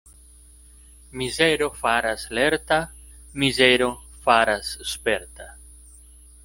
Mizero faras lerta, mizero faras sperta.